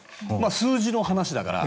数字の話だから。